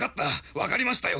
分かりましたよ。